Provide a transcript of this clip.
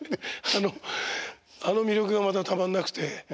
あの魅力がまたたまんなくて。